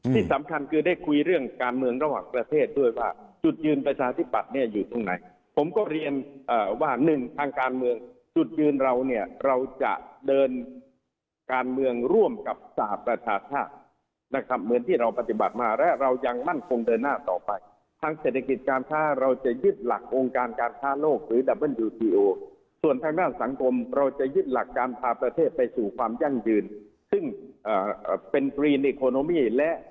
ที่สำคัญคือได้คุยเรื่องการเมืองระหว่างประเทศด้วยว่าจุดยืนประชาธิบัติเนี่ยอยู่ตรงไหนผมก็เรียนว่าหนึ่งทางการเมืองจุดยืนเราเนี่ยเราจะเดินการเมืองร่วมกับศาสตร์ประชาภาคนะครับเหมือนที่เราปฏิบัติมาและเรายังมั่นคงเดินหน้าต่อไปทางเศรษฐกิจการภาคเราจะยึดหลักองค์การการภาคโลกหรือ